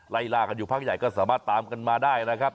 ลากันอยู่พักใหญ่ก็สามารถตามกันมาได้นะครับ